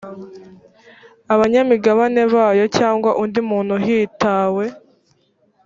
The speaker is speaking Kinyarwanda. abanyamigabane bayo cyangwa undi muntu hitawe